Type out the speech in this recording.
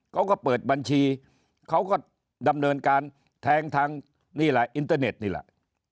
เขาก็เปิดบัญชีเขาก็ดำเนินการแทงทางนี่แหละอินเตอร์เน็ตนี่แหละ